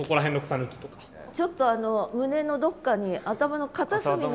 ちょっと胸のどこかに頭の片隅に。